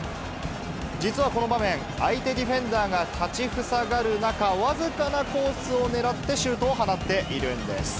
実はこの場面、相手ディフェンダーが立ち塞がる中、僅かなコースを狙ってシュートを放っているんです。